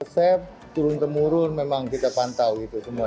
resep turun temurun memang kita pantau gitu semua